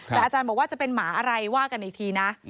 แต่อาจารย์บอกว่าจะเป็นหมาอะไรว่ากันอีกทีนะ